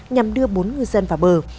nhằm đưa bốn ngư dân vào bờ